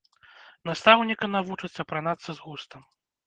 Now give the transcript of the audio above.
Настаўніка навучаць апранацца з густам.